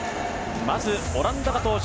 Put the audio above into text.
まずオランダが登場。